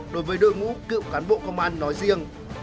đối với đội ngũ cựu cán bộ công an nói riêng